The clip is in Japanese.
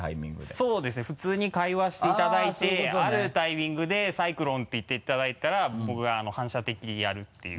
そうですね普通に会話していただいてあるタイミングで「サイクロン」て言っていただいたら僕が反射的にやるっていう。